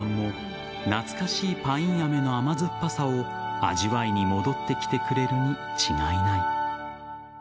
きっと、天国のおばあちゃんも懐かしいパインアメの甘酸っぱさを味わいに戻ってきてくれるに違いない。